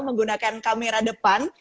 menggunakan kamera depan